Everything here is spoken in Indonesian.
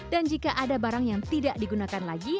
dan jika ada barang yang tidak digunakan lagi